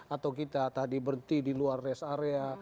atau kita tadi berhenti di luar rest area